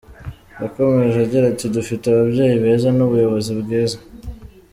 Yakomeje agira ati "Dufite ababyeyi beza n’ubuyobozi bwiza.